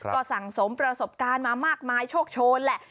ก็สั่งสมประสบการณ์มามากมายโชคโชนแหละ